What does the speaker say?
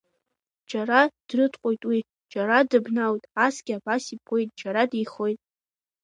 Џьара дрыҭҟәоит уи, џьара дыбналоит, асгьы абас иԥуеит џьара, деихоит.